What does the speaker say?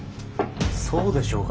「そうでしょうか？